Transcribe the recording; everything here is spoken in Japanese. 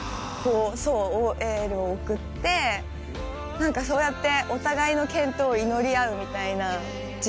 何かそうやって。